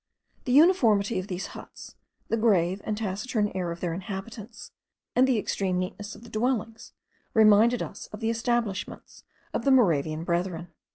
The uniformity of these huts, the grave and taciturn air of their inhabitants, and the extreme neatness of the dwellings, reminded us of the establishments of the Moravian Brethren.